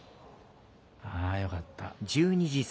あぁよかった。